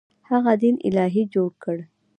هغه دین الهي جوړ کړ.